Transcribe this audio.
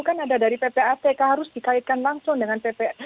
kan ada dari ppatk harus dikaitkan langsung dengan ppatk